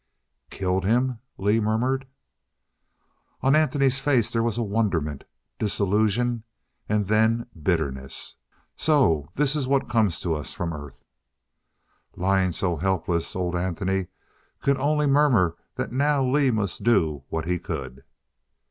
"Killed him?" Lee murmured. On Anthony's face there was wonderment disillusion, and then bitterness. "So? This is what comes to us, from Earth?" Lying so helpless, old Anthony could only murmur that now Lee must do what he could.